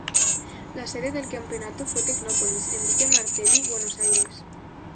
La sede del campeonato fue Tecnópolis, en Villa Martelli, Buenos Aires.